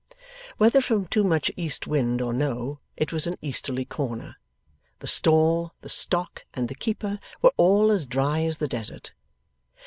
Whether from too much east wind or no it was an easterly corner the stall, the stock, and the keeper, were all as dry as the Desert.